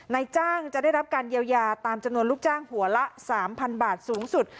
นายจ้างจะได้รับการเยียวยาตามจำนวนลูกจ้างหัวละ๓๐๐๐บาทสูงสุด